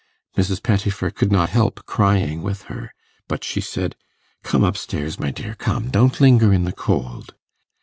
Mrs. Pettifer could not help crying with her, but she said, 'Come up stairs, my dear, come. Don't linger in the cold.